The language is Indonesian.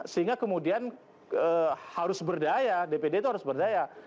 sehingga kemudian harus berdaya dpd itu harus berdaya